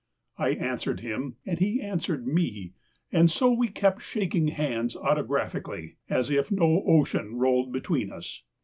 I an swered him, and he answered me, and so we kept shaking hands autographically, as if no ocean rolled between us.